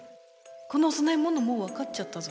このお供え物もう分かっちゃったぞ。